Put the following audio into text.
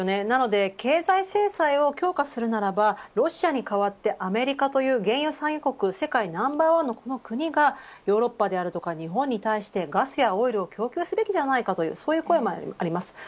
なので経済制裁を強化するならばロシアに代わってアメリカという原油産油国世界ナンバーワンのこの国がヨーロッパであるとか日本に対してガスやオイルを供給すべきではないかという声もあります。